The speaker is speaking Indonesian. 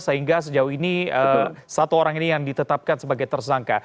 sehingga sejauh ini satu orang ini yang ditetapkan sebagai tersangka